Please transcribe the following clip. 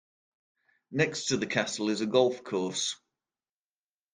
Next to the castle is a golf course.